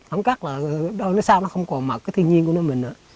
không cắt là nó sao nó không còn mặt cái thiên nhiên của nó mình nữa